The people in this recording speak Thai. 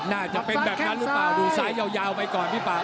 น่าจะเป็นแบบนั้นหรือเปล่าดูซ้ายยาวไปก่อนพี่ป่า